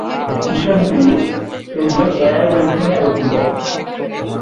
স্টেশনটি Indian Oil জংশনে অবস্থিত।